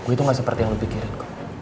gue itu gak seperti yang lo pikirin kok